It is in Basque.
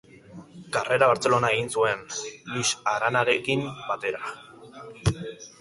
Karrera Bartzelona egin zuen, Luis Aranarekin batera.